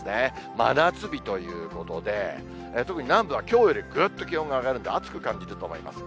真夏日ということで、特に南部はきょうよりぐっと気温が上がるんで、暑く感じると思います。